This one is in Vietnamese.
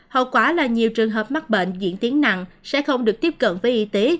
hậu quả là nhiều trường hợp mắc bệnh diễn tiến nặng sẽ không được tiếp cận với y tế